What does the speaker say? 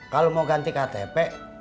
kalo mau ganti ktp